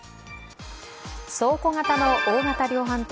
倉庫型の大型量販店